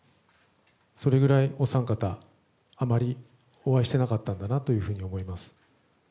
それぐらい、お三方あまりお会いしてなかったんだなというふうに思います。